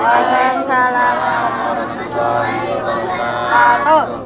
waalaikumsalam warahmatullahi wabarakatu